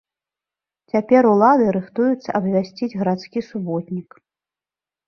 Цяпер улады рыхтуюцца абвясціць гарадскі суботнік.